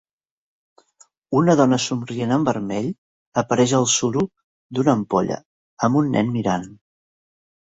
Una dona somrient en vermell apareix el suro d'una ampolla amb un nen mirant.